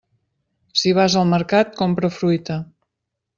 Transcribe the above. Si vas al mercat, compra fruita.